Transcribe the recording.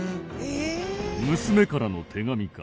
娘からの手紙か。